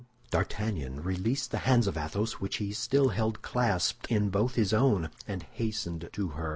D'Artagnan released the hands of Athos which he still held clasped in both his own, and hastened to her.